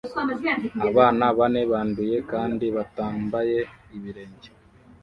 Abana bane banduye kandi batambaye ibirenge